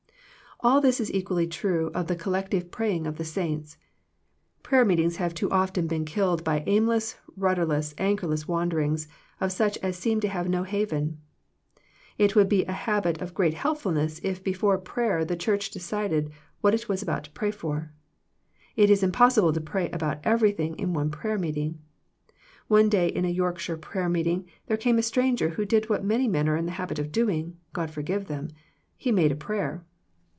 All this is equally true of the collective praying of the saints. Prayer meetings have too often been killed by aimless, rudderless, anchorless wanderings of such as seem to have no haven. It would be a habit of great helpfulness if before prayer the Church decided what it was about to pray for. It is impossible to pray about every thing in one prayer meeting. One day in a York shire prayer meeting there came a stranger who did what many men are in the habit of doing — God forgive them — he made a prayer.